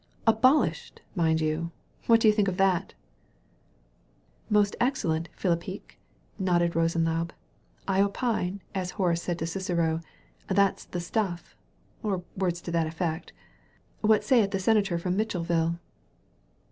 Abolished^ mmd you ! What do you think of that ?" "Most excellent Fhippick," nodded Rosenlaube, " I opine, as Horace said to Cicero, 'That's the stuff,' or words to that effect. What saith the senator fromMitcheUviUe?"